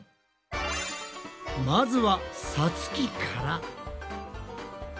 まずはさつきから。